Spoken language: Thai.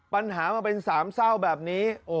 ปัญหามันเป็นสามเศร้าแบบนี้